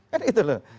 kan itu loh